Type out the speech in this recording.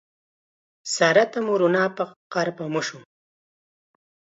Sarata murunapaq qarpamushun.